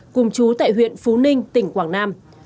cùng chú tại huyện phú ninh tỉnh quảng nam